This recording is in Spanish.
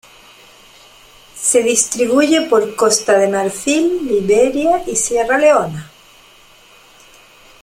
Se distribuye por Costa de Marfil, Liberia y Sierra Leona.